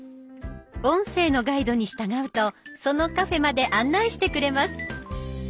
音声のガイドに従うとそのカフェまで案内してくれます。